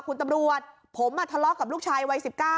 คุณตำรวจผมทะเลาะกับลูกชายวัย๑๙